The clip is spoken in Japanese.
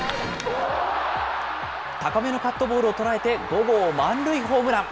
高めのカットボールを捉えて、５号満塁ホームラン。